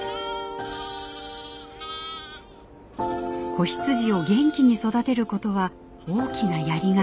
子羊を元気に育てることは大きなやりがいです。